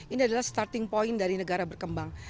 ini adalah starting point dari negara berkembang